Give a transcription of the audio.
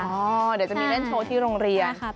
เดี๋ยวจะมีเล่นโชว์ที่โรงเรียน